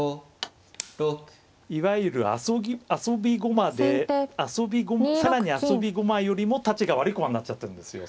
いわゆる遊び駒で更に遊び駒よりもたちが悪い駒になっちゃってるんですよ。